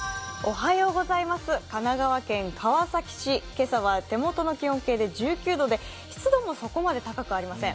神奈川県川崎市、今朝は手元の気温計で１９度で湿度もそこまで高くありません。